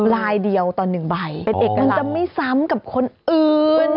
ลายเดียวต่อหนึ่งใบเป็นเอกลักษณ์มันจะไม่ซ้ำกับคนอื่นอ๋อ